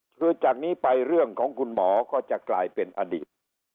คือจากนี้ไปเรื่องของคุณหมอก็จะกลายเป็นอดีต